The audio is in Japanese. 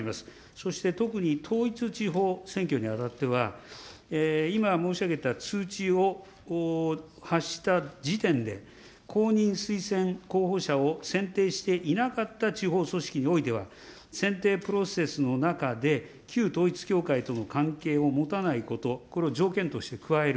そして、特に統一地方選挙にあたっては、今申し上げた通知を発した時点で、公認推薦候補者を選定していなかった地方組織においては、選定プロセスの中で、旧統一の関係を持たないこと、これを条件として加える。